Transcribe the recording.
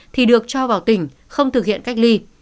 thì được cho vào tỉnh không thực hiện cách ly